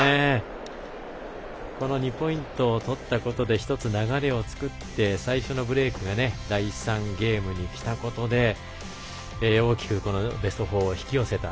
この２ポイントを取ったことで１つ流れを作って最初のブレークが第３ゲームにきたことで大きくベスト４を引き寄せた。